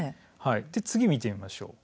次を見てみましょう。